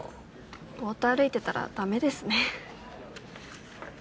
ボっと歩いてたらダメですね。